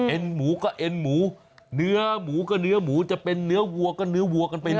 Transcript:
หมูก็เอ็นหมูเนื้อหมูก็เนื้อหมูจะเป็นเนื้อวัวก็เนื้อวัวกันไปเลย